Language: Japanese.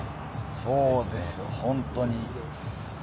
そうです、本当に。